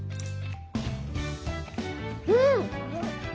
うん！